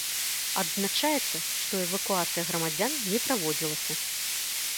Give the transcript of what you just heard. Адзначаецца, што эвакуацыя грамадзян не праводзілася.